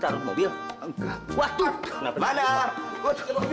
para pakai industri kalau aku jangan panggil